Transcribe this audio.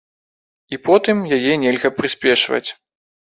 І потым, яе нельга прыспешваць.